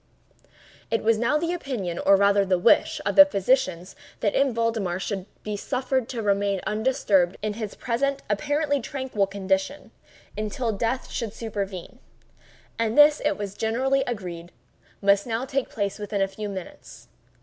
It was now the opinion, or rather the wish, of the physicians, that M. Valdemar should be suffered to remain undisturbed in his present apparently tranquil condition, until death should supervene—and this, it was generally agreed, must now take place within a few minutes.